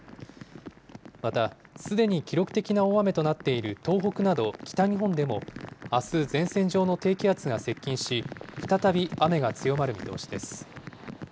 また、すでに記録的な大雨となっている東北など北日本でも、あす前線上の低気圧が接近し、再び雨が強まる見通しです。